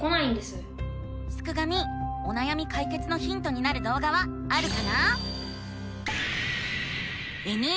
すくがミおなやみかいけつのヒントになるどうがはあるかな？